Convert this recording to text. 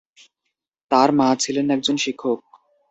তার মা ছিলেন একজন শিক্ষক।